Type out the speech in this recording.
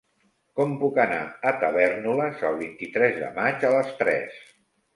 Com puc anar a Tavèrnoles el vint-i-tres de maig a les tres?